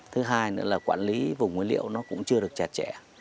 thứ hai nữa là quản lý vùng nguyên liệu nó cũng chưa được chặt chẽ